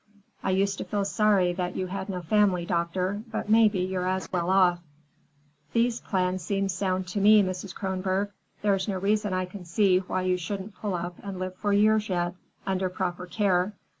I used to feel sorry that you had no family, doctor, but maybe you're as well off." "Thea's plan seems sound to me, Mrs. Kronborg. There's no reason I can see why you shouldn't pull up and live for years yet, under proper care.